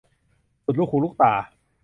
สุดลูกหูลูกตา